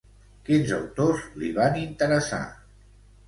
Quins autors li van interessar?